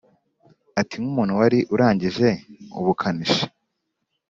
Ati “Nk’umuntu wari urangije ubukanishi